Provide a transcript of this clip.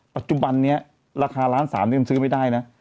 ปัจจุบันนี้ราคาล้าน๓นี่มันซื้อไม่ได้นะ